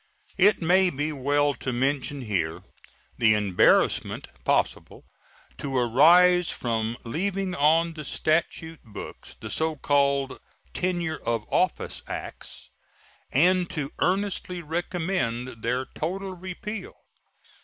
It may be well to mention here the embarrassment possible to arise from leaving on the statute books the so called "tenure of office acts," and to earnestly recommend their total repeal.